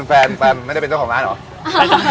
แฟนไม่ได้เป็นเจ้าของร้านเหรอ